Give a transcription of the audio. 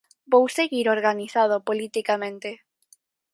Vou seguir organizado politicamente.